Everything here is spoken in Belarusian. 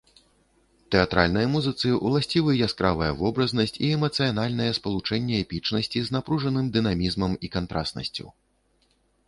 Тэатральнай музыцы ўласцівы яскравая вобразнасць і эмацыянальнае спалучэнне эпічнасці з напружаным дынамізмам і кантрастнасцю.